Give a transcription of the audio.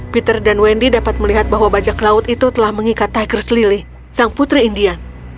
peter dan wendy dapat melihat bahwa bajak laut itu telah mengikat tigers lili sang putri indian